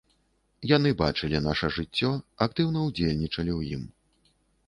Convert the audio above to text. Яны бачылі наша жыццё, актыўна ўдзельнічалі ў ім.